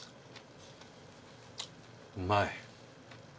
うまい。